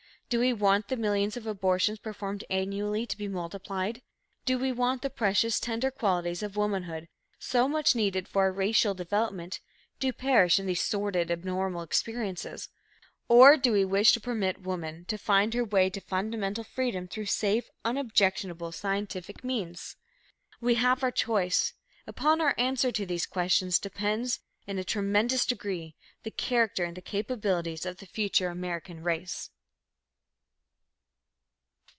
Do we want the millions of abortions performed annually to be multiplied? Do we want the precious, tender qualities of womanhood, so much needed for our racial development, to perish in these sordid, abnormal experiences? Or, do we wish to permit woman to find her way to fundamental freedom through safe, unobjectionable, scientific means? We have our choice. Upon our answer to these questions depends in a tremendous degree the character and the capabilities of the future American race.